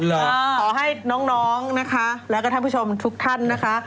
ขอให้น้องนะคะแล้วก็ท่านผู้ชมทุกท่านนะคะ